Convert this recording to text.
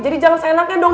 jadi jangan saya nabek dong